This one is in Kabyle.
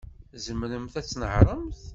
Tzemremt ad tnehṛemt?